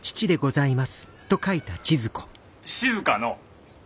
静の。